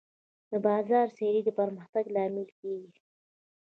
د بازار سیالي د پرمختګ لامل کېږي.